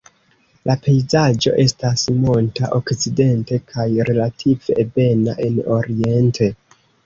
La pejzaĝo estas monta okcidente kaj relative ebena en oriente.